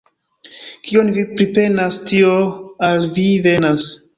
Kion vi pripenas, tio al vi venas.